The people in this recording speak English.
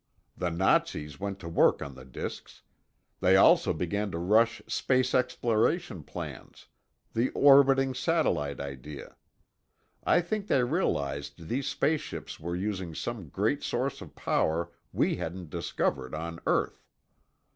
The Nazis went to work on the disks. They also began to rush space exploration plans—the orbiting satellite idea. I think they realized these space ships were using some great source of power we hadn't discovered on earth.